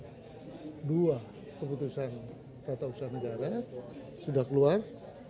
tuh dua keputusan pt un sudah keluar